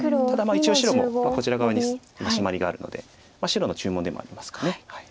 ただ一応白もこちら側にシマリがあるので白の注文でもありますかね。